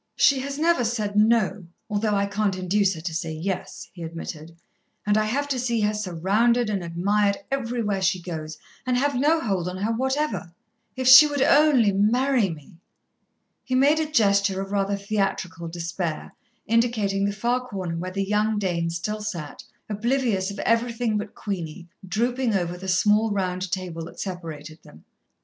"She has never said no, although I can't induce her to say yes," he admitted; "and I have to see her surrounded and admired everywhere she goes, and have no hold on her whatever. If she would only marry me!" he made a gesture of rather theatrical despair, indicating the far corner where the young Dane still sat, oblivious of everything but Queenie, drooping over the small round table that separated them.